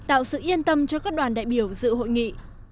tạo sự yên tâm cho các đoàn đại biểu dự hội nghị